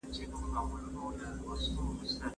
زرکي وویل زما ژوند به دي په کار سي